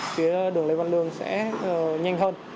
phía đường lê văn lương sẽ nhanh hơn